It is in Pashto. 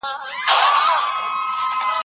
زه اوس د کتابتون کتابونه لوستل کوم.